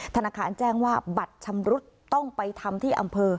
ธนาคารแจ้งว่าบัตรชำรุดต้องไปทำที่อำเภอ